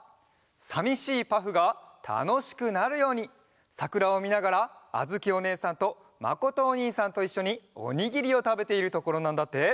さみしいパフがたのしくなるようにさくらをみながらあづきおねえさんとまことおにいさんといっしょにおにぎりをたべているところなんだって。